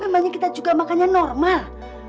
namanya kita juga makannya normal